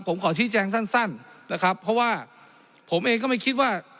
ผมขอชี้แจงสั้นนะครับเพราะว่าผมเองก็ไม่คิดว่า